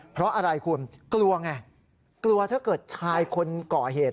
เพราะอะไรคุณกลัวไงกลัวถ้าเกิดชายคนก่อเหตุ